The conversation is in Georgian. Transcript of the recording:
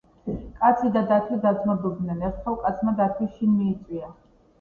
კაცი და დათვი დაძმობილდენ. ერთხელ კაცმა დათვი შინ მიიწვია